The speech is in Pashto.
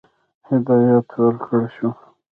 هدایت ورکړه شو.